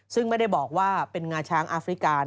ซึ่งไม่ได้บอกว่าเป็นงาช้างอาฟริกา